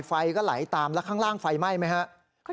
ไฟก็ไหลตามแล้วข้างล่างไฟไหม้ไหมครับ